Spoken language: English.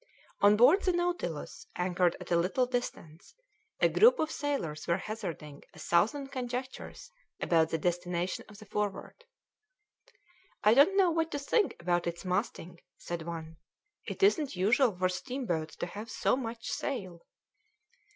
On board the Nautilus, anchored at a little distance, a group of sailors were hazarding a thousand conjectures about the destination of the Forward. "I don't know what to think about its masting," said one; "it isn't usual for steamboats to have so much sail."